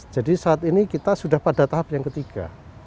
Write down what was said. jadi saat ini kita sudah pada tahap yang ketiga